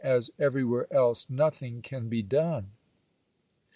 As everywhere else, nothing can be done."